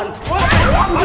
bisa udah lah